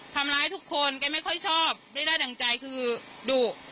ทำร้ายทุกคนแกไม่ค่อยชอบไม่ได้ดั่งใจคือดุ